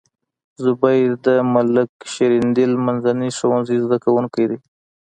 زبير د ملک شیریندل منځني ښوونځي زده کوونکی دی.